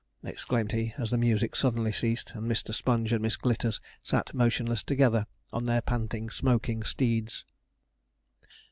exclaimed he, as the music suddenly ceased, and Mr. Sponge and Miss Glitters sat motionless together on their panting, smoking steeds.